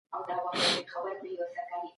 د لاسي کارونو زده کړه ډېر صبر غواړي.